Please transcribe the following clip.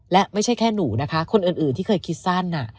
และไม่ใช่แค่หนูนะคะคนอื่นที่เคยคิดสั้น